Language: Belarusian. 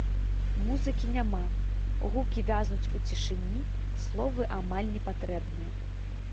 Музыкі няма, гукі вязнуць у цішыні, словы амаль не патрэбныя.